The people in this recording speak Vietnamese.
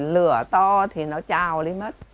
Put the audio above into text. lửa to thì nó trao đi mất